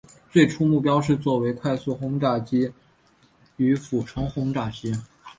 最初目标是作为快速轰炸机与俯冲轰炸机。